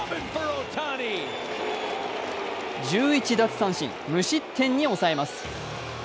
１１奪三振、無失点に抑えます。